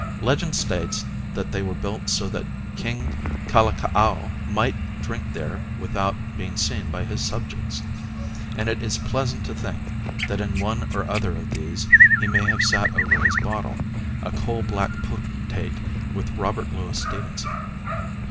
Legend states that they were built so that King Kalakaua might drink there without being seen by his subjects, and it is pleasant to think that in one or other of these he may have sat over his bottle, a coal black potentate, with Robert Louis Stevenson.